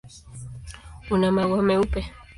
Una maua meupe.